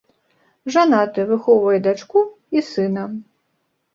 Жанаты, выхоўвае дачку і сына.